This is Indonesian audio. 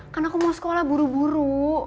karena aku mau sekolah buru buru